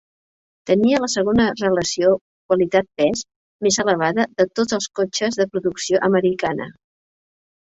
Tenia la segona relació qualitat-pes més elevada de tots els cotxes de producció americana.